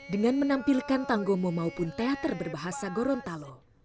dengan menampilkan tanggomo maupun teater berbahasa gorontalo